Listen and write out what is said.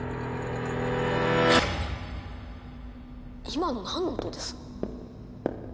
今の何の音です？